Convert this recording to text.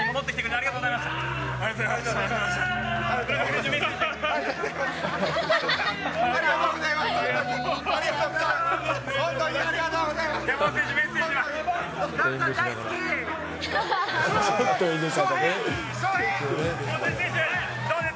ありがとうございます。